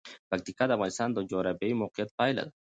پکتیا د افغانستان د جغرافیایي موقیعت پایله ده.